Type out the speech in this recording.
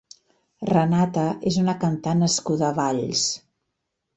Renata és una cantant nascuda a Valls.